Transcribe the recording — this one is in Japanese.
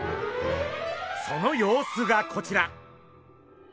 その様子がこちら。